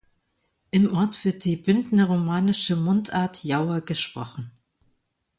Im Ort wird die bündnerromanische Mundart Jauer gesprochen.